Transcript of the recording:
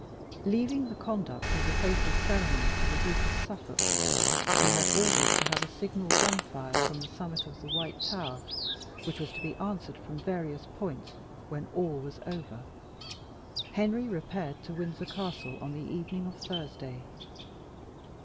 Leaving the conduct of the fatal ceremony to the Duke of Suffolk, who had orders to have a signal gun fired from the summit of the White Tower, which was to be answered from various points, when all was over, Henry repaired to Windsor Castle on the evening of Thursday.